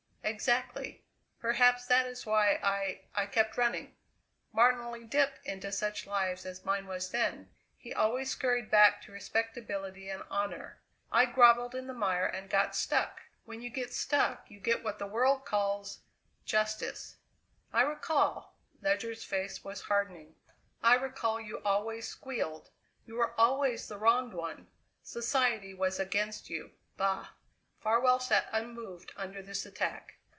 "Exactly. Perhaps that is why I I kept running. Martin only dipped into such lives as mine was then; he always scurried back to respectability and honour; I grovelled in the mire and got stuck! When you get stuck you get what the world calls justice." "I recall" Ledyard's face was hardening "I recall you always squealed. You were always the wronged one; society was against you. Bah!" Farwell sat unmoved under this attack.